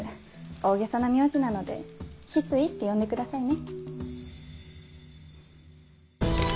大げさな名字なので翡翠って呼んでくださいね。